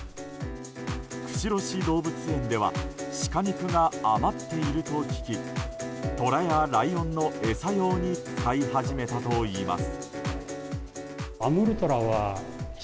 釧路市動物園では鹿肉が余っていると聞きトラやライオンの餌用に使い始めたといいます。